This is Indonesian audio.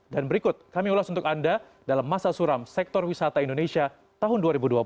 dan berikut kami ulas untuk anda dalam masa suram sektor wisata indonesia tahun dua ribu dua puluh